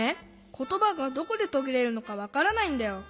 ことばがどこでとぎれるのかわからないんだよ。